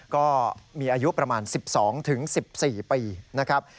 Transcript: ก็มีอายุประมาณ๑๒๑๔ปีนะครับ